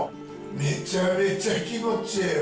めちゃめちゃ気持ちええわ。